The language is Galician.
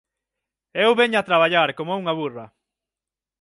Eu veña a traballar coma unha burra